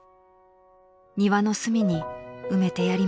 ［「庭の隅に埋めてやりました」］